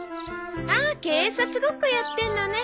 あ警察ごっこやってるのね。